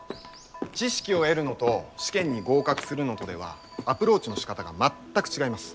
知識を得るのと試験に合格するのとではアプローチのしかたが全く違います。